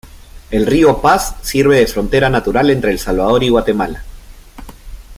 El río Paz sirve de frontera natural entre El Salvador y Guatemala.